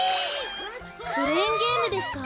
クレーンゲームですか？